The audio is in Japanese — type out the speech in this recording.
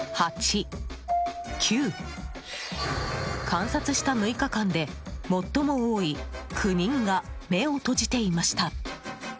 観察した６日間で最も多い９人が目を閉じていました。